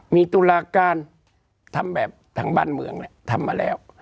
มีตุลาการทำแบบทางบ้านเมืองแหละทำมาแล้ว